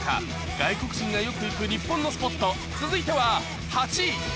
外国人がよく行く日本のスポット続いては８位